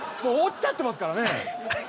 もう落ちちゃってますからね。